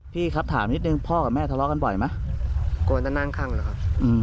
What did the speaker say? พี่ครับถามนิดหนึ่งพ่อกับแม่ทะเลาะกันบ่อยไหม